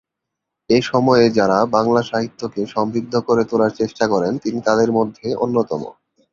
এ সময়ে যাঁরা বাংলা সাহিত্যকে সমৃদ্ধ করে তোলার চেষ্টা করেন, তিনি তাঁদের মধ্যে অন্যতম।